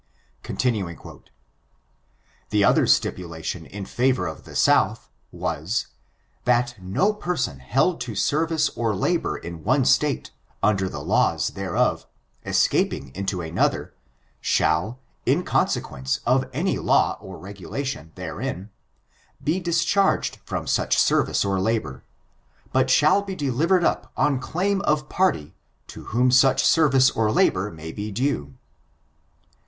"• The other stipulation in favor of the South, was, that * no person held to service or labor in one State, under the laws thereof, escaping into another, shall, in conse quence of any law or regulation therein, be discharged from such service or labor, but shall be delivered up on claim of party to whom such service or labor may be due.